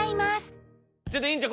ちょっと院長